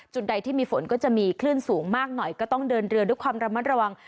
ใดที่มีฝนก็จะมีคลื่นสูงมากหน่อยก็ต้องเดินเรือด้วยความระมัดระวัง